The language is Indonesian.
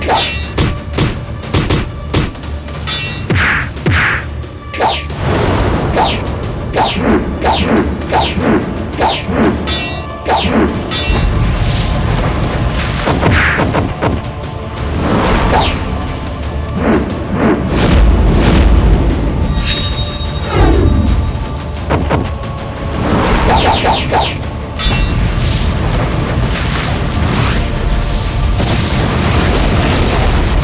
aku tidak akan menghwhere